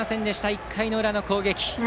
１回の裏の攻撃。